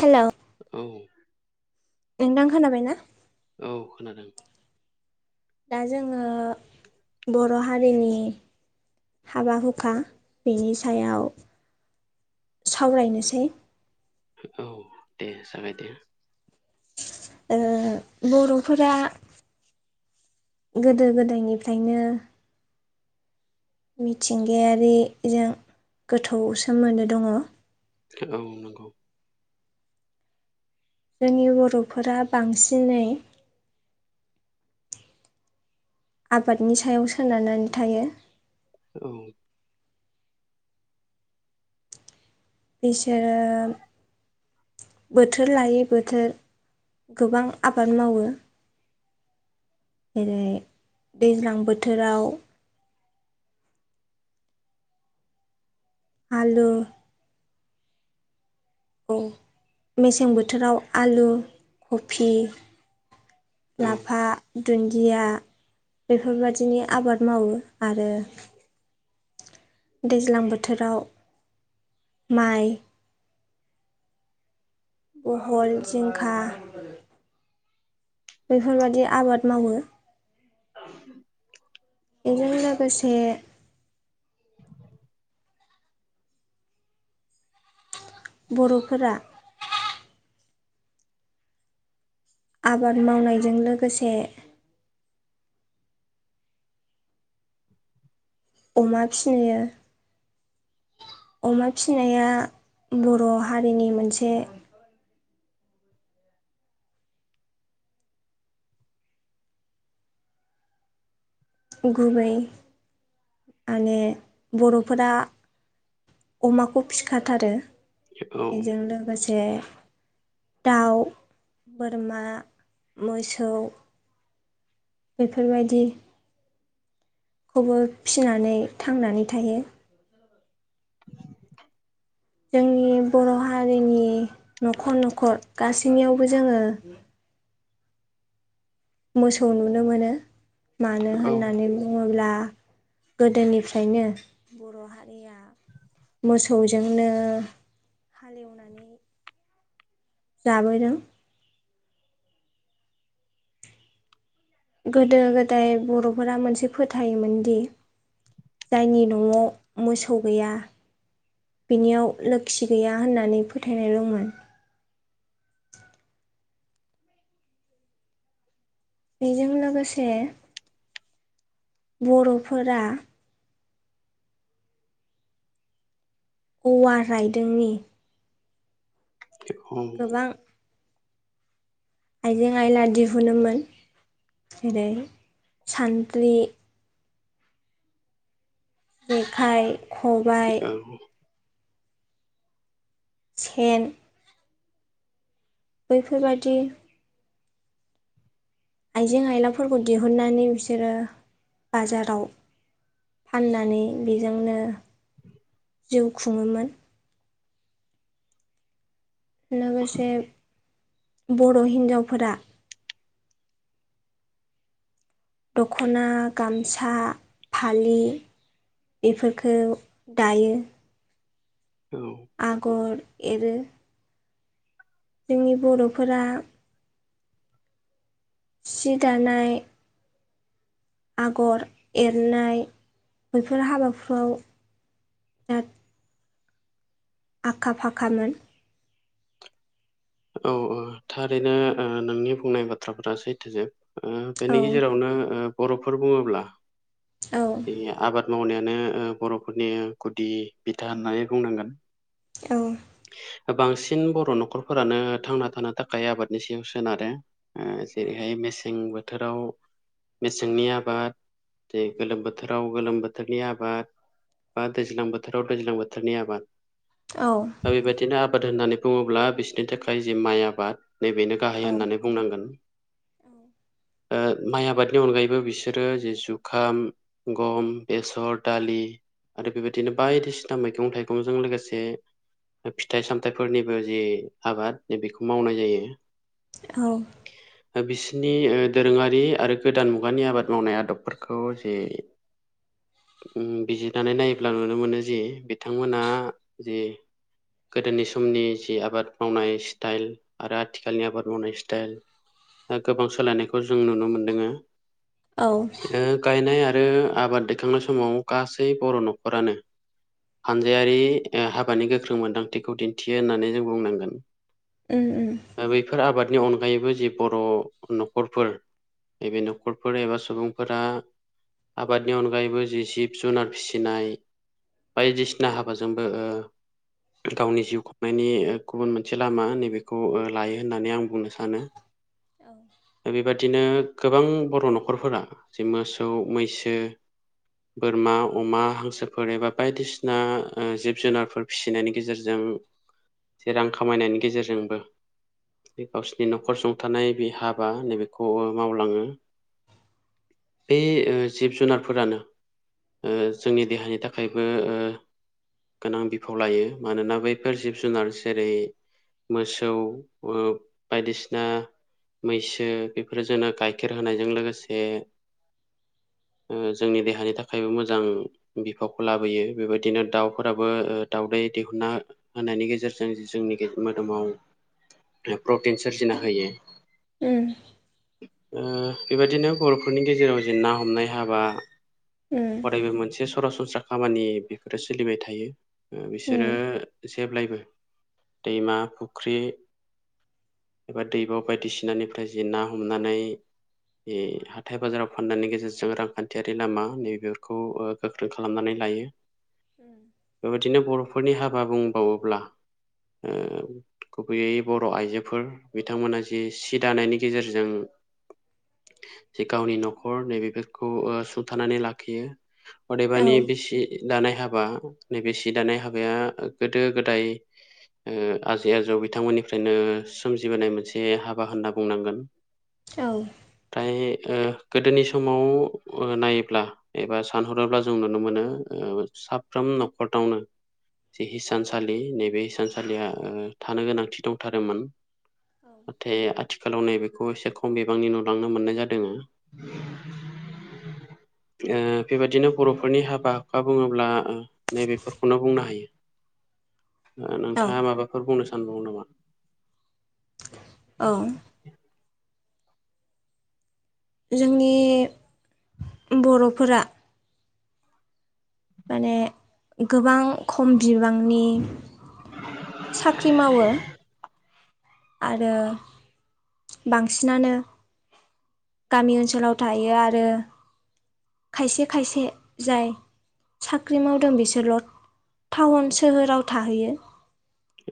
Hello औ नोंथां खोनाबाय ना? औ खोनादों। दा जोङो बर' हारिनि हाबा हुखा बेनि सायाव सावरायनोसै। औ दे जागाय दो। ओ बर'फोरा गोदो गोदायनिफ्रायनो मिथिंगायारिजों गोथौ सोमोन्दो दङ। औ नंगौ। जोंनि बर'फोरा बांसिनै आबादनि सायाव सोनारनानै थायो। औ बिसोरो बोथोर लायै बोथोर गोबां आबाद मावो। जेरै दैज्लां बोथोराव आलु औ मेसें बोथोराव आलु कफि औ लाफा दुन्दिया बेफोरबादिनि आबाद मावो आरो दैज्लां बोथोराव माइ बहल, जिंखा बेफोरबादि आबाद मावो। [unintelligible] इजों लोगोसे बर'फोरा आबाद मावनायजों लोगोसे अमा फियो। अमा फिनाया बर' हारिनि मोनसे गुबै माने बर'फोरा अमाखौ फिसिखाथारो। औ इजों लोगोसे दाउ, बोरमा, मोसौ बेफोरबायदि खौबो फिनानै थांनानै थायो। उम जोंनि बर' हारिनि न'खर न'खर गासैनियावबो जोङो मोसौ नुनो मोनो मानो औ होननानै बुङोब्ला गोदोनिफ्रायनो बर' हारिया मोसौजोंनो हालेवनानै जाबोदों। गोदो गोदाय बर'फोरा मोनसे फोथायोमोन दि जायनि न'आव मोसौ गैया बिनियाव लोखि गैया होननानै फोथायनाय दंमोन। बेजों लोगोसे बर'फोरा औवा राइदोंनि औ गोबां आइजें आइला दिहुनोमोन जेरै सानद्रि जेखाइ खबाय सेन बैफोरबायदि आइजें आइलाफोरखौ दिहुननानै बिसोरो बाजाराव फाननानै बेजोंनो जिउ खुंङोमोन। लोगोसे बर' हिनजावफोरा। दख'ना, गामसा, फालि बेफोरखौ दायो। औ। आगर एरो। जोंनि बर'फोरा सि दानाय आगर एरनाय बेैफोर हाबाफ्राव बिराद आखा फाखामोन। औ औ थारैनो नोंनि बुंनाय बाथ्राफोरा सैथोजोब। ओ औ बेनि गेजेरावनो ओ बर'फोर बुंङोब्ला औ। आबाद मावनायानो ओ बर'फोरनि गुदि बिथा होननानै बुंनांगोन। औ। बांसिन बर' न'खरफोरानो थांना थानो थाखाय आबादनि सायाव सोनारो। जेरैहाय मेसें बोथोराव मेसेंनि आबाद जे गोलोम बोथोराव गोलोम बोथोरनि आबाद बा दैज्लां बोथोराव दैज्लां बोथोरनि आबाद। औ। दा बेबायदिनो आबाद होननानै बुंङोब्ला बिसोरनि थाखाय जि माइ आबाद नैबेनो गाहाय औ होननानै बुंनांगोन। ओ माइ आबादनि अनगायैबो बिसोरो जि जुखाम, गम, बेसर, दालि आरो बेबायदिनो बायदिसिना मैगं थाइगंजों लोगोसे बे फिथाइ सामथाइफोरनिबो जि आबाद बेेखौ मावनाय जायो। औ। ओ बिसिनि ओ दोरोङारि आरो गोदान मुगानि आबाद मावनाय आदबफोरखौ जे [inaudible] बिजिरनानै नायोब्ला नुनो मोनो जि बिथांमोना जि गोदोनि समनि जि आबाद मावनाय स्टाइल आरो आथिखालनि आबाद मावनाय स्टाइल ओ गोबां सोलायनायखौ जों नुनो मोनदोङो। औ ओ गायनाय आरो आबाद दैखांनाय समाव गासै बर' न'खरानो हानजायारि ओ हाबानि गोख्रों मोन्दांथिखौ दिन्थियो होननानै जों बुंनांगोन। उम। ओ बैफोर आबादनि अनगायैबो जि बर' न'खरफोर। नैबे न'खरफोर एबा सुबुंफोरा। आबादनि अनगायैबो जि जिब जुनार फिसिनाय बायदिसिना हाबाजोंबो ओ गावनि जिउ खुंनायनि गुबुन मोनसे लामा नैबेखौ ओ लायो होननानै आं बुंनो सानो। [inaudible] दा बेबादिनो गोबां बर' न'खरफोरा जे मोसौ, मैसो बोरमा, अमा, हांसोफोर एबा बायदिसिना जिब जुनारफोर फिसिनायनि गेजेरजों जे रां खामायनायनि गेजेरजोंबो गावसोरनि न'खर सुंथानाय बे हाबा नैबेखौ ओ मावलाङो। बे ओ जिब जुनारफोरानो ओ जोंनि देहानि थाखायबो ओ गोनां बिफाव लायो। मानोना बैफोर जिब जुनार जेरै मोसौ ओ बायदिसिना मैसो बेफोर जोंनो गाइखेर होनायजों लोगोसे ओ जोंनि देहानि थाखायबो मोजां। बिफावखौ लाबोयो बेबायदिनो दाउफोराबो ओ दाउदै दिहुना होनायनि गेजेरजों जोंनि गे मोदोमाव ओ प्रटिन सोरजिना होयो। उम ओ बेबायदिनो बर'फोरनि गेजेराव जेन ना हमनाय हाबा उम अरायबो मोनसे सरासनस्रा खामानि बेफोरो सोलिबाय थायो ओ बे बिसोरो उम जेब्लायबो दैमा फुख्रि एबा दैबाव बायदिसिनानिफ्राय जि ना हमनानै बे हाथाय बाजाराव फान्नायनि गेजेरजों रांखान्थियारि लामा नै बेेफोरखौ ओ गोख्रों खालामनानै लायो। उम। बेबायदिनो बरफोरनि हाबा बुंबावोब्ला ओ गुबैयै बर आइजोफोर बिथांमोना जि सि दानायनि गेजेरजों जि गावनि न'खर नैबेफोरखौ ओ सुंथानानै लाखियो। औ अदेबानि बे सि दानाय हाबा नैबे सि दानाय हाबाया गोदो गोदाय ओ आजै आजौ बिथांमोननिफ्रायनो सोमजिबोनाय मोनसे हाबा होनना बुंनांगोन। औ फ्राय ओ गोदोनि समाव ओ नायोब्ला एबा सानहरोब्ला जों नुनो मोनो ओ साफ्रोम न'खरदावनो जे हिसानसालि नैबे हिसानसालिया ओ थानो गोनांथि दंथारोमोन। नाथाय आथिखालाव नैबे खौ एसे खम बिबांनि नुलांनो मोननाय जादोंङो ओ बेबायदिनो बर'फोरनि हाबा हुखा बुङोब्ला ओ नैबेफोरखौनो बुंनो हा हायो ओ औ नोंथाङा माबाफोर बुंनो सानबावो नामा? औ जोंनि उम बर'फोरा माने गोबां खम बिबांनि साख्रि मावो। आरो बांसिनानो गामि ओनसोलाव थायो आरो खायसे खायसे जाय साख्रि मावदों बिसोरल' थाउन सोहोराव थाहैयो।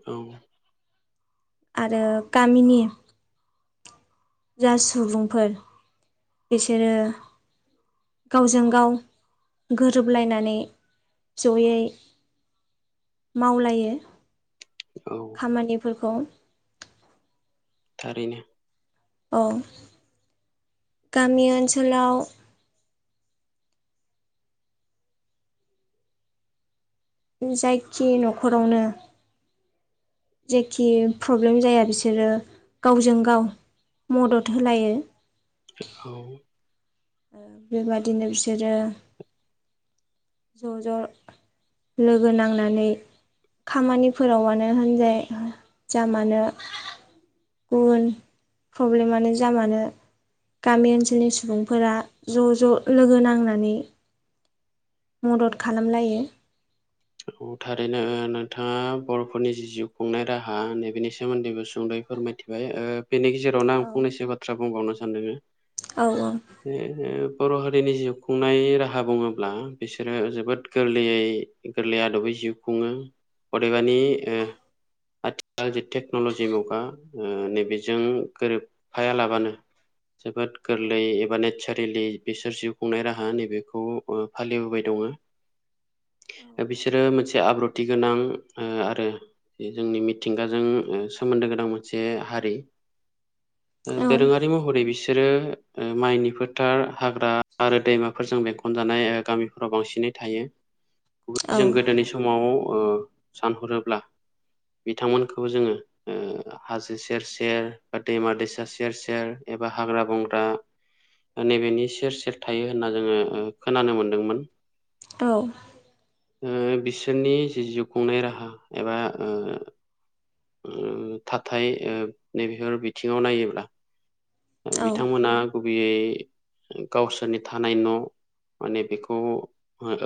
औ आरो गामिनि जा सुबुंफोर बिसोरो गावजों गाव गोरोबलायनानै ज'यै मावलायो औ खामानिफोरखौ थारैनो अ गामि ओनसोलाव उम जायखि न'खरावनो जेखि प्रब्लेम जाया बिसोरो गावजों गाव मदद होलायो। ओ औ ओ बेबादिनो बिसोरो ज' ज' लोगो नांनानै खामानिफोरावानो होनजाय हो जा मानो गुबुन प्रब्लेमानो जा मानो गामि ओनसोलनि सुबुं फोरा ज' ज' लोगो नांनानै मदद खालाम लायो। औ थारैनो नोंथाङा बर'फोरनि जि जिउ खुंनाय राहा नैबेनि सोमोन्दैबो सुंद'यै फोरमायथि बाय ओ बेनि गेजेरावनो औ आं फंनैसो बाथ्रा बुंबावनो सानदोंङो औ अ जे जे बर' हारिनि जिउ खुंनाय राहा बुङोब्ला बिसोरो जोबोद गोरलैयै गोरलै आदबै जिउ खुङो अदेबानि ओ आथिखाल जे टेक्न'लजि मुगा ओ नैबेजों गोरोबफाया लाबानो जोबद गोरलै एबा नेचारेलि बिसोर जिउ खुंनाय राहा नैबेखौ ओ फालिबोबाय दङ। दा बिसोरो मोनसे आब्रुथि गोनां ओ आरो बे जोंनि मिथिंगाजों ओ सोमोन्दो गोनां मोनसे हारि। [inaudible] औ दोरोङारि महरै बिसोर बिसोरो माइनि फोथार हाग्रा आरो दैमाफोरजों बेंखनजानाय गामि फोराव बांसिनै थायो। बुहुद औ जों गोदोनि समाव सानहरोब्ला बिथांमोनखौबो जोङो ओ हाजो सेर सेर बा दैमा दैसा सेर सेर एबा हाग्रा बंग्रा नैबेनि सेर सेर थायो होनना जोङो खोनानो मोनदोंमोन। औ ओ बिसोरनि जि जिउ खुंनाय राहा एबा ओ ओम थाथाय ओ नैबेफोर बिथिङाव नायोब्ला औ बिथांमोना गुबैयै गावसोरनि थानाय न' माने बेखौ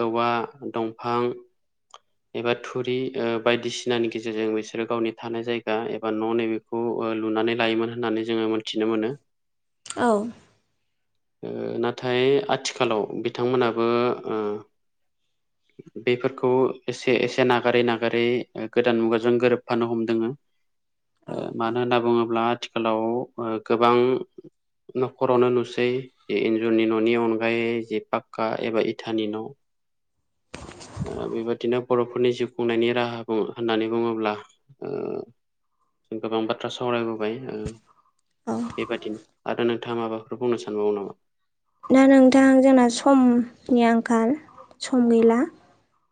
औवा दंफां एबा थुरि ओ बायदिसिनानि गेजेरजों बिसोरो गावनि थानाय जायगा एबा न' नैबे खौ लुनानै लायोमोन होननानै जोङो मोनथिनो मोनो। औ ओ नाथाय आथिखालाव बिथांमोनाबो ओ [unintelligible] बेफोरखौ एसे एसे नागारै नागारै गोदान मुगाजों गोरोबफानो हमदोङो। औ ओ मानो होनना बुङोब्ला आथिखालाव गोबां न'खरावनो नुसै इन्जरनि न'नि अनगायै जे पाक्का एबा इथानि न' ओ बेबादिनो बर'फोरनि जिउ खुंनायनि राहा होननानै बुङोब्ला ओ जों गोब बाथ्रा सावरायबो बाय औ बेबादिनो आरो नोंथाङा माबाफोर बुंनो सानबावो नामा? दा नोंथां जोंना समनि आंखाल सम गैला।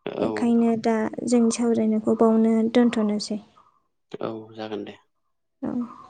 औ बेखायनो दा जोंनि सावरायनायखौ बावनो दोन्थ'नोसै। औ जागोन दे। औ